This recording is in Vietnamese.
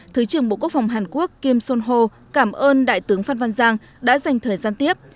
thứ trưởng bộ quốc phòng hàn quốc kim son ho cảm ơn đại tướng phan văn giang đã dành thời gian tiếp